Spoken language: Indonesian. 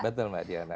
betul mbak diana